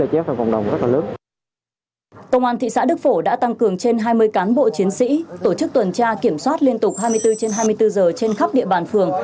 công an thị xã đức phổ đã tăng cường trên hai mươi cán bộ chiến sĩ tổ chức tuần tra kiểm soát liên tục hai mươi bốn trên hai mươi bốn giờ trên khắp địa bàn phường